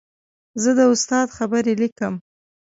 زه د استاد خبرې لیکم.